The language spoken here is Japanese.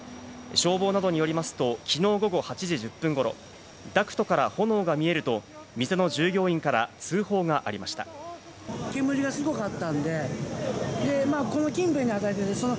消防などによりますと、きのう午後８時１０分頃、ダクトから炎が見えると店の従業員から通報がありました。